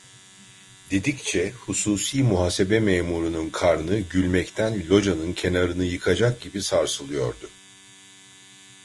Dedikçe, hususi muhasebe memurunun karnı, gülmekten locanın kenarını yıkacak gibi sarsılıyordu…